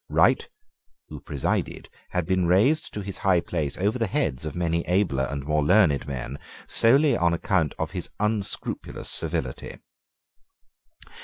Wright, who presided, had been raised to his high place over the heads of many abler and more learned men solely on account of his unscrupulous servility.